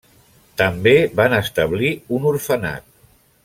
També van establir un orfenat.